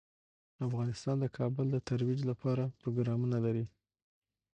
افغانستان د کابل د ترویج لپاره پروګرامونه لري.